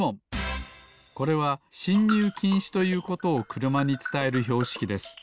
これは「しんにゅうきんし」ということをくるまにつたえるひょうしきです。